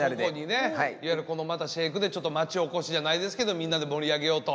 いわゆるこのまたシェイクでちょっと町おこしじゃないですけどみんなで盛り上げようと。